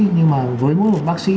nhưng mà với mỗi một bác sĩ